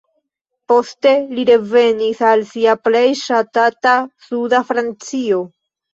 Poste li revenis al sia plej ŝatata suda Francio.